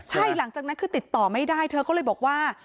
ใช่หลังจากนั้นคือติดต่อไม่ได้เธอก็เลยบอกว่า